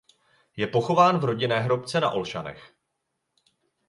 Je pochován v rodinné hrobce na Olšanech.